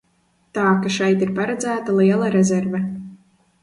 Tā ka šeit ir paredzēta liela rezerve.